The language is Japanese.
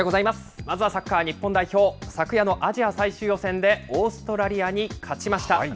まずはサッカー日本代表、昨夜のアジア最終予選で、オーストラリアに勝ちました。